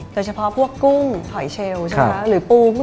โดยเฉพาะพวกกุ้งหล่อยเชลล์หรือปู